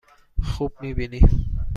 خوب می بینی؟